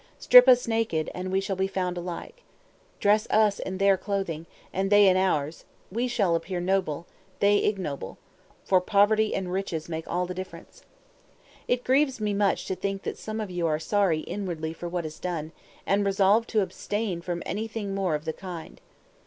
Strip us naked, and we shall all be found alike. Dress us in their clothing, and they in ours, we shall appear noble, they ignoble for poverty and riches make all the difference. It grieves me much to think that some of you are sorry inwardly for what is done, and resolve to abstain from anything more of the kind.